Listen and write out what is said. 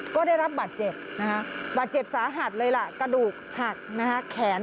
ก็ได้รับบาดเจ็บนะคะบาดเจ็บสาหัสเลยล่ะกระดูกหักนะฮะแขน